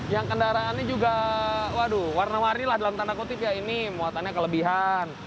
yang kendaraannya juga waduh warna warni lah dalam tanda kutip ya ini muatannya kelebihan